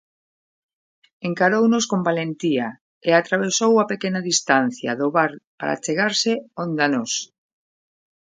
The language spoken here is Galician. Encarounos con valentía, e atravesou a pequena distancia do bar para achegarse onda nós.